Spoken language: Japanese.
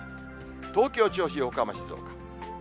東京、銚子、横浜、静岡。